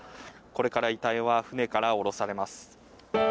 これから遺体は船から降ろされます。